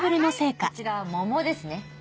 こちらモモですね。